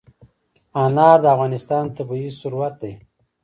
انار د افغانستان طبعي ثروت دی.